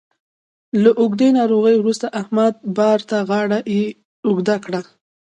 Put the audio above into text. له اوږدې ناروغۍ وروسته احمد بار ته غاړه اوږده کړه